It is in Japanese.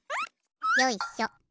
よいしょ。